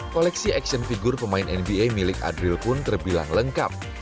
koleksi action figure pemain nba milik adril pun terbilang lengkap